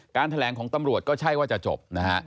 แถลงของตำรวจก็ใช่ว่าจะจบนะฮะ